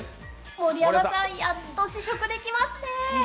盛山さん、やっと試食できますね。